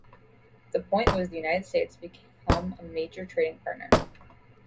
The point was the United States would become a major trading partner.